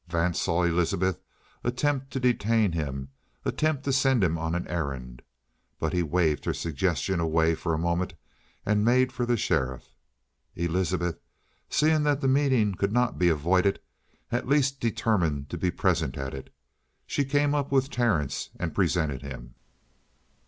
Vance saw Elizabeth attempt to detain him, attempt to send him on an errand. But he waved her suggestion away for a moment and made for the sheriff. Elizabeth, seeing that the meeting could not be avoided, at least determined to be present at it. She came up with Terence and presented him.